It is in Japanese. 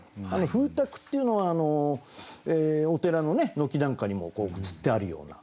「風鐸」っていうのはお寺の軒なんかにもつってあるような。